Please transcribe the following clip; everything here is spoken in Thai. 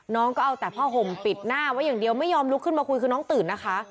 น้องก็เอาแต่ผ้าห่มปิดหน้าไว้อย่างเดียวไม่ยอมลุกขึ้นมาคุยคือน้องตื่นนะคะ